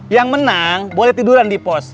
yang menang boleh tiduran di pos